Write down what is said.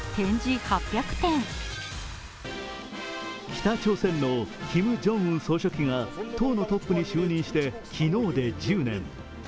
北朝鮮のキム・ジョンウン総書記が党のトップに就任して昨日で１０年。